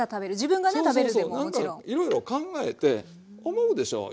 何かいろいろ考えて思うでしょう